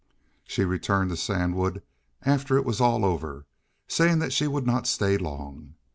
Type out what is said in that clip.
She returned to Sandwood after it was all over, saying that she would not stay long.